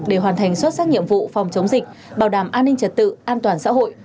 để hoàn thành xuất sắc nhiệm vụ phòng chống dịch bảo đảm an ninh trật tự an toàn xã hội